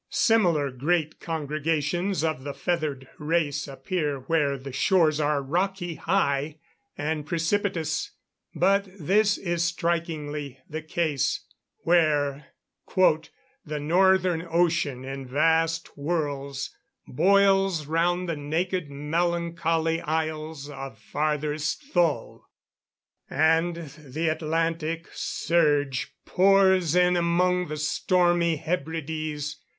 Similar great congregations of the feathered race appear where the shores are rocky high, and precipitous, but this is strikingly the case, where "The northern ocean, in vast whirls, Boils round the naked melancholy isles Of farthest Thule; and the Atlantic surge Pours in among the stormy Hebrides.